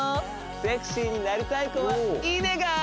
セクシーになりたい子はいねがぁ？